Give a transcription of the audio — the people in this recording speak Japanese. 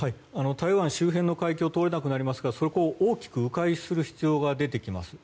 台湾周辺の海峡を通れなくなりますからそこを大きく迂回する必要が出てきます。